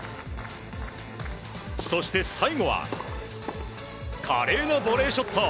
そして、最後は華麗なボレーショット。